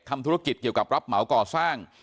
ทำธุรกิจเกี่ยวกับรับเหมาก่อสร้าง